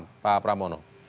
selamat malam pak pramono